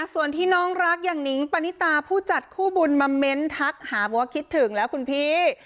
ส่วนที่น้องรักอย่างนิ้งปณิตาผู้จัดคู่บุญมาเม้นทักหาบอกว่าคิดถึงแล้วคุณพี่